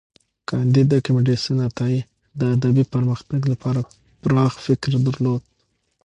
کانديد اکاډميسن عطايي د ادبي پرمختګ لپاره پراخ فکر درلود.